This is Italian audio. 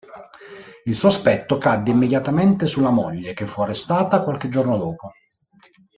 Il sospetto cadde immediatamente sulla moglie, che fu arrestata qualche giorno dopo.